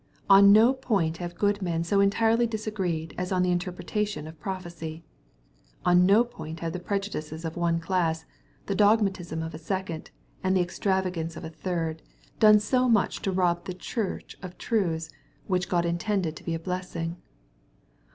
On no point have good men so entirely disagreed as on the interpretation of prophecy. On no point have the prejudices of one class, the dogma tism of a second, and the extravagance of a third, done so much to rob the church of truths, which God intended to be a blessing.